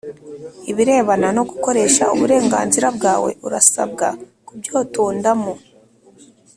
ibirebana no gukoresha uburenganzira bwawe urasabwa kubyotondamo